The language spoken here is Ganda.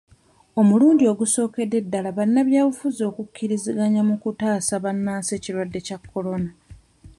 Omulundi ogusookedde ddala bannabyabufuzi okukkiriziganya mu kutaasa bannansi ekirwadde kya Corona.